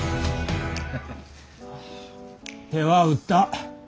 手は打った。